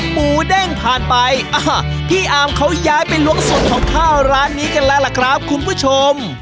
หมูเด้งผ่านไปพี่อาร์มเขาย้ายไปล้วงสูตรของข้าวร้านนี้กันแล้วล่ะครับคุณผู้ชม